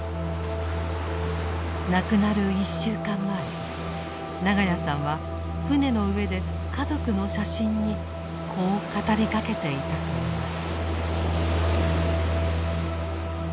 亡くなる１週間前長屋さんは船の上で家族の写真にこう語りかけていたといいます。